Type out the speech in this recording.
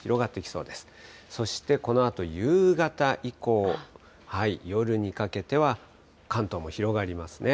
そしてこのあと夕方以降、夜にかけては、関東も広がりますね。